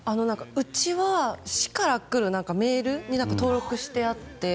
うちは市から来るメールに登録してあって。